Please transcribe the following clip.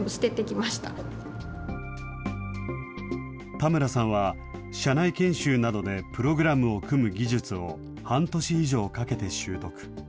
田村さんは社内研修などでプログラムを組む技術を半年以上かけて習得。